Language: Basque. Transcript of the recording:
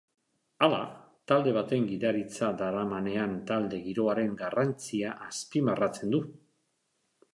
Hala, talde baten gidaritza daramanean talde giroaren garrantzia azpimarratzen du.